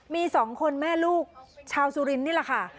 มี๒คนแม่ลูกชาวสุรินทร์นี่แหละค่ะ